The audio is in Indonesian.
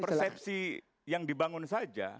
persepsi yang dibangun saja